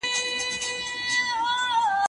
د کارونې طریقه تل د معلوماتو کیفیت پر بنسټ ده.